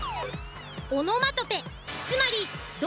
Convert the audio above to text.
オノマトペつまり例えば。